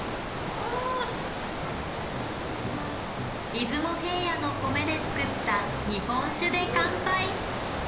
出雲平野の米で造った日本酒で乾杯！